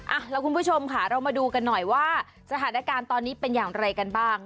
อ่ะแล้วคุณผู้ชมค่ะเรามาดูกันหน่อยว่าสถานการณ์ตอนนี้เป็นอย่างไรกันบ้าง